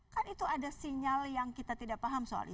kan itu ada sinyal yang kita tidak paham soal itu